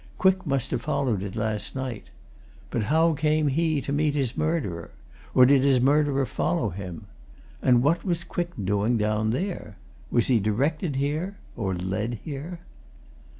Quick must have followed it last night. But how came he to meet his murderer or did his murderer follow him? And what was Quick doing down here? Was he directed here or led here?"